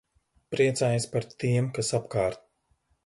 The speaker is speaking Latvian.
Priecājies par tiem, kas apkārt.